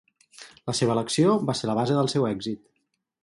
La seva elecció va ser la base del seu èxit.